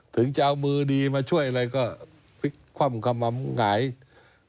ถึงจะเอามือดีมาช่วยอะไรก็ความคำอำไหง